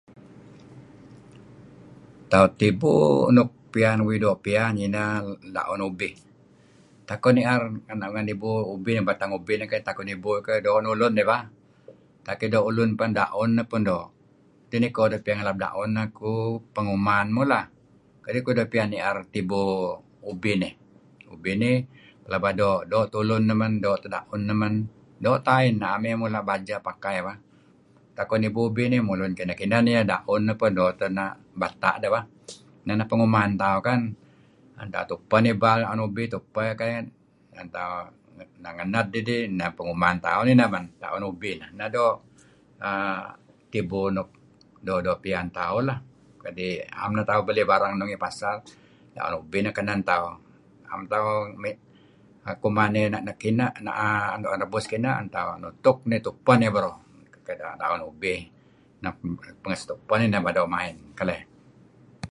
Tauh tibu nukpiyan uih doo' piyan iyeh ineh da'un ubih. Utak uih ni'er batang ubih neh keh, utak uih nibu dih doo' ulun neh bah. Utak iyeh doo' ulun pen da'un neh pun doo'. kadi' koh ngalap da'un neh kuh penguman muh lah. Kadi' keduih doo' piyan ni'er tibu ubih nih. Ubih nih laba doo', doo' teh ulun neh men, doo' teh da'un neh men, doo' teh ain neh. Na'em iyeh mula' bajah pakai bah. Utak koh nibu ubih neh, mulun kineh-kineh niyeh, da'un neh peh doo' bata' deh bah , neh neh penguman tauh kan, tu'en tauh tupeh neh ibal, 'an tauh ngelened idih, neh penguman tauh da'un ubih neh, Neh doo' err tibu luk doo'-doo' piyan tauh lah adi' 'am neh tauh belih barang nuk let ngi pasar da'un ubih neh kenen tauh, 'am tauh kuman dih 'an rebus kineh, tu'en tauh nutuk tupe hnidih beruh. Pengeh setupeh ineh pelaba doo' main. Keleh.